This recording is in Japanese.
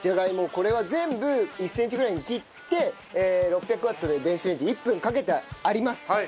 これは全部１センチぐらいに切って６００ワットで電子レンジで１分かけてあります。